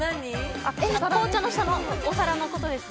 紅茶の下のお皿のことです。